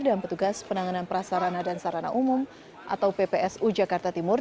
dan petugas penanganan prasarana dan sarana umum atau ppsu jakarta timur